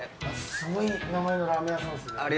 すごい名前のラーメン屋さんですね。